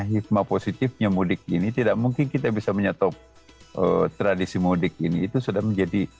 hikmah positifnya mudik ini tidak mungkin kita bisa menyetop tradisi mudik ini itu sudah menjadi